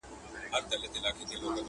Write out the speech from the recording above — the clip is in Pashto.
ډېوه پر لګېدو ده څوک به ځی څوک به راځي،